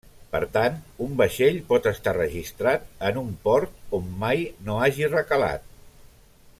Per tant, un vaixell pot estar registrat en un port on mai no hagi recalat.